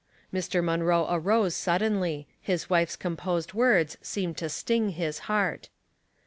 Mr. Munroe arose suddenly ; his wife's com posed words seemed to sting his heart.